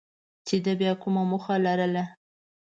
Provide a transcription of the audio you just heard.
چې ده بیا کومه موخه لرله.